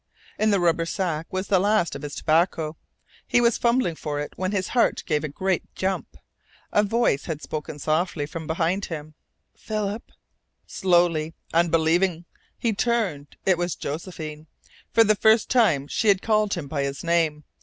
In the rubber sack was the last of his tobacco. He was fumbling for it when his heart gave a great jump. A voice had spoken softly behind him: "Philip." Slowly, unbelieving, he turned. It was Josephine. For the first time she had called him by his name.